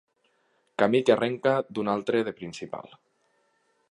Camí que arrenca d'un altre de principal.